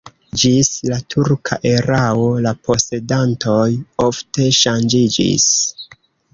Ĝis la turka erao la posedantoj ofte ŝanĝiĝis.